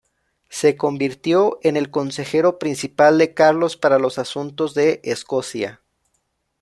Se convirtió en el consejero principal de Carlos para los asuntos de Escocia.